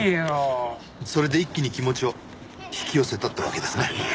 それで一気に気持ちを引き寄せたってわけですね。